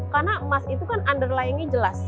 karena emas itu kan underlyingnya jelas